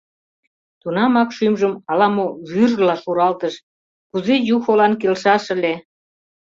Тунамак шӱмжым ала-мо вӱржла шуралтыш: «Кузе Юхолан келшаш ыле?